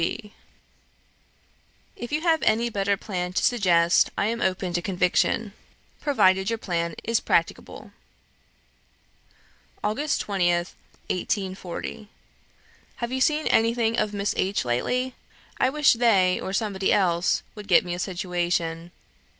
C. B. C. B. C. B. C. B. "If you have any better plan to suggest I am open to conviction, provided your plan is practicable." "August 20th, 1840. "Have you seen anything of Miss H. lately? I wish they, or somebody else, would get me a situation.